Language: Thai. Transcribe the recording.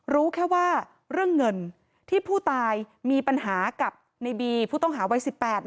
รู้แค่ว่าเรื่องเงินที่ผู้ตายมีปัญหากับในบีผู้ต้องหาวัย๑๘